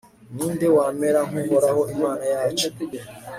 ni nde wamera nk'uhoraho imana yacu